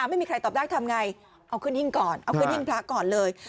ไม่มีใครตอบได้ทำไงเอาขึ้นหิ้งก่อนเอาขึ้นหิ้งพระก่อนเลย